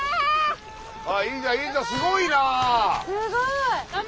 いいじゃんいいじゃんすごいな！